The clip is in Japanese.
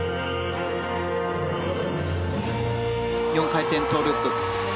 ４回転トウループ。